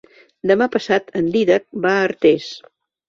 Demà passat en Dídac va a Artés.